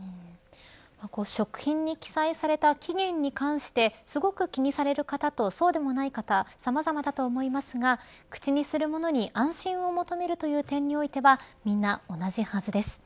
食品に記載された期限に関してすごく気にされる方とそうでもない方さまざまだと思いますが口にするものに安心を求めるという点においてはみんな同じはずです。